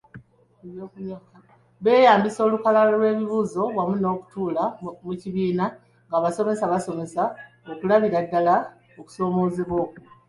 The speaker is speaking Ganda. Beeyambisa olukalala lw’ebibuuzo wamu n’okutuula mu kibiina ng’abasomesa basomesa okulabira ddala okusomoozebwa okwo.